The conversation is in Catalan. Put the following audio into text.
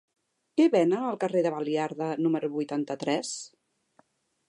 Què venen al carrer de Baliarda número vuitanta-tres?